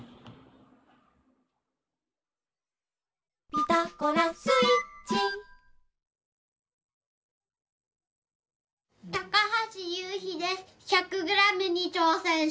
「ピタゴラスイッチ」１００グラムにちょうせんします。